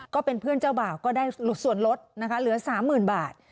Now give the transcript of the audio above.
ก็เป็นเพื่อนเจ้าบ่าวก็ได้ส่วนลดนะคะเหลือ๓๐๐๐บาท